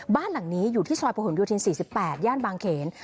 บ้านหลังนี้อยู่ที่ซอยโพฮมอยู่ที๔๘ย่านบางเขน